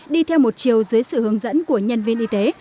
đi theo một chiều dưới sự hướng dẫn của nhân viên y tế